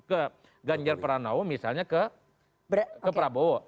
ke ganjar pranowo misalnya ke prabowo